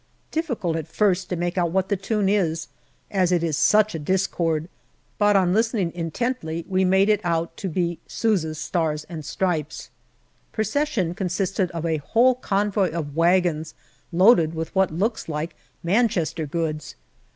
Difficult at first to make out what the tune is, as it is such a discord, but on listening intently we made it out to be Sousa's " Stars and Stripes/' Procession consists of a whole convoy of wagons loaded with what looks like " Manchester goods."